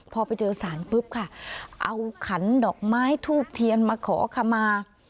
พอไปเจอสารปุ๊บค่ะเอาขันดอกไม้ทูบเทียนมาขอขมา